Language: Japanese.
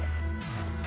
はい。